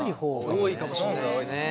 多いかもしんないですね。多い。